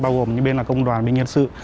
bao gồm bên là công đoàn bên nhân sự